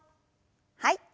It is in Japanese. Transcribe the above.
はい。